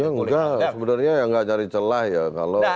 ya enggak sebenarnya yang enggak cari celah ya kalau ini sesuatu yang